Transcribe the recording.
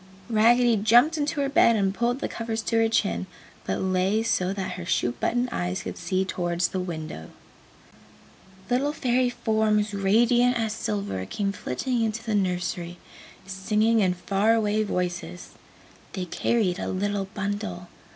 Raggedy jumped into her bed and pulled the covers to her chin, but lay so that her shoe button eyes could see towards the window. Little Fairy forms radiant as silver came flitting into the nursery, singing in far away voices. They carried a little bundle.